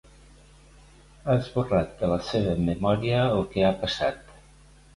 Ha esborrat de la seva memòria el que ha passat.